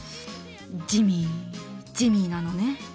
ジミージミーなのね。